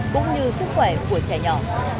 cũng như sức khỏe của trẻ nhỏ